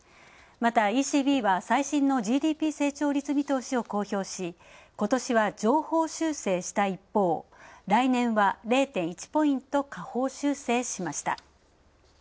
また、ＥＣＢは最新のＧＤＰ成長率見通しを公表し、ことしは上方修正した一方来年は０．１ポイント下方修正しました。